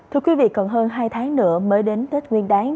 thưa quý vị còn hơn hai tháng nữa mới đến tết nguyên đáng